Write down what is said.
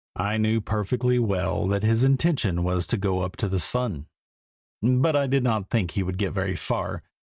I knew perfectly well that his intention was to go up to the sun, but I did not think he would get very far.